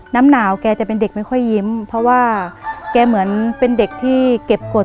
น้ำหนาวแกจะเป็นเด็กไม่ค่อยยิ้มเพราะว่าแกเหมือนเป็นเด็กที่เก็บกฎ